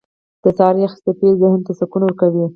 • د سهار یخې څپې ذهن ته سکون ورکوي.